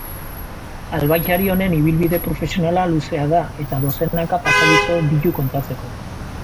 Albaitari honen ibilbide profesionala luzea da, eta dozenaka pasadizo ditu kontatzeko.